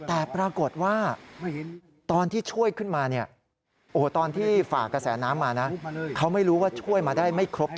แต่ปรากฏว่าตอนที่ช่วยขึ้นมานี่